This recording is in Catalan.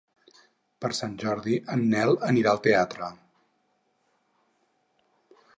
Per Sant Jordi en Nel anirà al teatre.